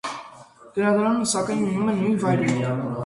Գրադարանը, սակայն, մնում է նույն վայրում։